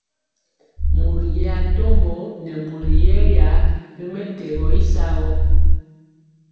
Mori yɛ atombo nɛ mori yɛya ri mɛtɛgɔ y sagɔ.